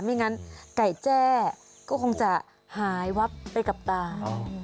ไม่งั้นไก่แจ้ก็คงจะหายวับไปกับตา